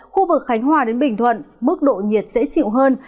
khu vực khánh hòa đến bình thuận mức độ nhiệt sẽ chịu hơn